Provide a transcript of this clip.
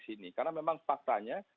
sini karena memang faktanya